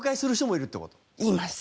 います。